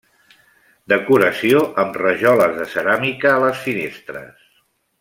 Decoració amb rajoles de ceràmica a les finestres.